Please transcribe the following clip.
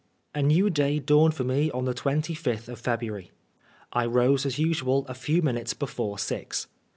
A NEW day dawned for me on the twenty fifth of Febmary. I rose as usual a few minutes before six.